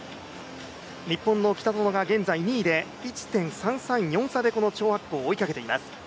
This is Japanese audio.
日本の北園が現在２位で１．３３４差で追いかけています。